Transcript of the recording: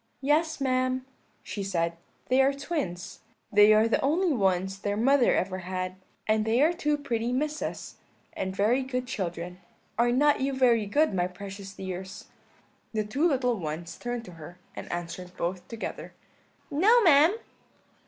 "'Yes, ma'am,' she said, 'they are twins; they are the only ones their mother ever had, and they are two pretty Misses, and very good children. Are not you very good, my precious dears?' "The two little ones turned to her; and answered both together: "'No, ma'am.'